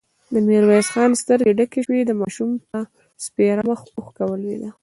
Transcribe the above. د ميرويس خان سترګې ډکې شوې، د ماشوم پر سپېره مخ اوښکه ولوېده.